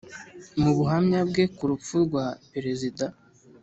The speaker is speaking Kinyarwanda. mu buhamya bwe ku rupfu rwa perezida